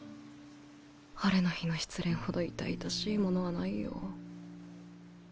晴れの日の失恋ほど痛々しいものはないよ。